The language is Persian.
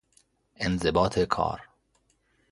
انضباط کار